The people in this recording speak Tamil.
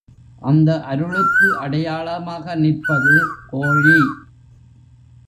அந்த அருளுக்கு அடையாளமாக நிற்பது கோழி.